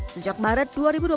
sejak maret dua ribu dua puluh